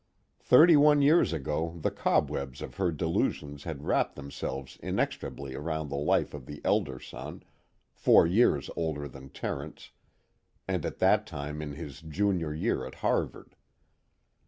Thirty one years ago the cobwebs of her delusions had wrapped themselves inextricably around the life of the elder son, four years older than Terence and at that time in his Junior year at Harvard.